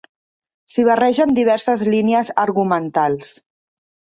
S'hi barregen diverses línies argumentals.